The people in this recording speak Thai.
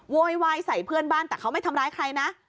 โวยวายใส่เพื่อนบ้านแต่เขาไม่ทำร้ายใครนะ